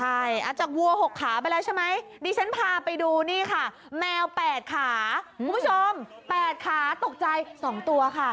ใช่อาจจะวัว๖ขาไปแล้วใช่ไหมดิฉันพาไปดูนี่ค่ะแมว๘ขาคุณผู้ชม๘ขาตกใจ๒ตัวค่ะ